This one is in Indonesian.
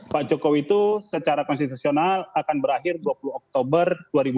pak jokowi itu secara konstitusional akan berakhir dua puluh oktober dua ribu dua puluh